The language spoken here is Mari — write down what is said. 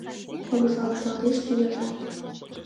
Помыжалталеш тӱняжат.